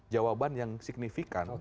jawaban yang signifikan